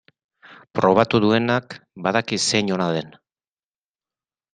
Probatu duenak badaki zein ona den.